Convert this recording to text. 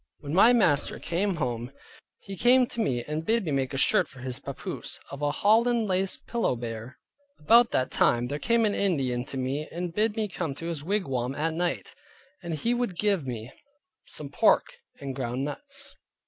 When my master came home, he came to me and bid me make a shirt for his papoose, of a holland laced pillowbere. About that time there came an Indian to me and bid me come to his wigwam at night, and he would give me some pork and ground nuts.